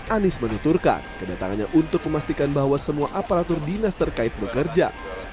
anies menuturkan kedatangannya untuk memastikan bahwa semua aparatur dinas terkait bekerja